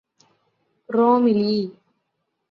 റോമിലീ